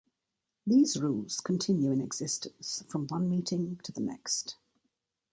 These rules continue in existence from one meeting to the next.